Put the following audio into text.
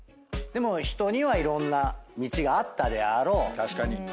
でも人にはいろんな道があったであろう。